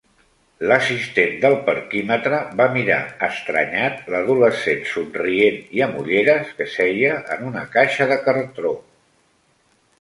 L'assistent del parquímetre va mirar estranyat l'adolescent somrient i amb ulleres que seia en una caixa de cartró.